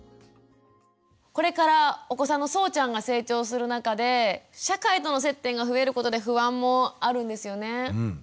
これからお子さんのそうちゃんが成長する中で社会との接点が増えることで不安もあるんですよね？